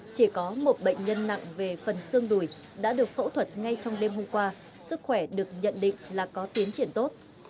chỉ có một bệnh nhân nặng về phần xương đùi đã được phẫu thuật ngay trong đêm hôm qua sức khỏe được nhận định là có tiến triển tốt